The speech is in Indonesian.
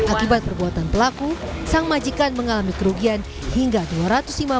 akibat perbuatan pelaku sang majikan mengalami kerugian hingga dua ratus lima puluh